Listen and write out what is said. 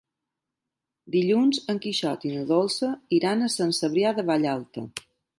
Dilluns en Quixot i na Dolça iran a Sant Cebrià de Vallalta.